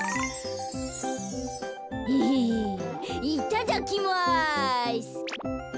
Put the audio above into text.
エヘヘいただきます。